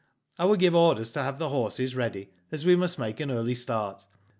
I will give orders to have the horses ready, as we must make an early start.